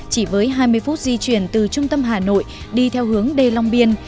chỉ với hai mươi phút di chuyển từ trung tâm hà nội đi theo hướng đê long biên